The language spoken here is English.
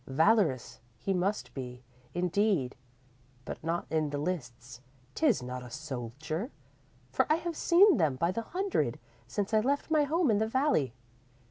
Valorous he must be, indeed, but not in the lists 'tis not a soldier, for I have seen them by the hundred since I left my home in the valley.